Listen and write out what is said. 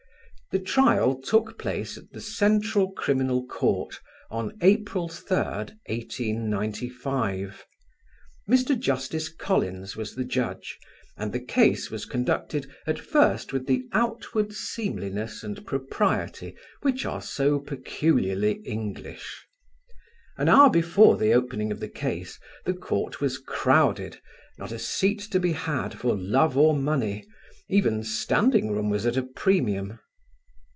The trial took place at the Central Criminal Court on April 3rd, 1895. Mr. Justice Collins was the judge and the case was conducted at first with the outward seemliness and propriety which are so peculiarly English. An hour before the opening of the case the Court was crowded, not a seat to be had for love or money: even standing room was at a premium.